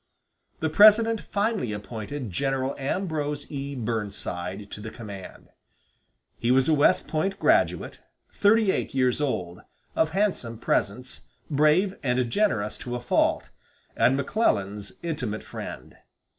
The President finally appointed General Ambrose E. Burnside to the command. He was a West Point graduate, thirty eight years old, of handsome presence, brave and generous to a fault, and McClellan's intimate friend.